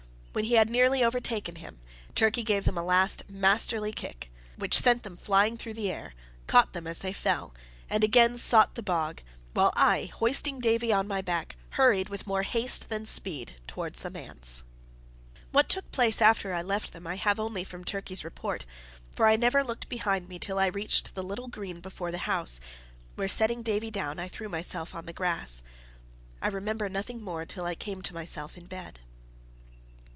When he had nearly overtaken him, Turkey gave them a last masterly kick, which sent them flying through the air, caught them as they fell, and again sought the bog, while I, hoisting Davie on my back, hurried, with more haste than speed, towards the manse. What took place after I left them, I have only from Turkey's report, for I never looked behind me till I reached the little green before the house, where, setting Davie down, I threw myself on the grass. I remember nothing more till I came to myself in bed.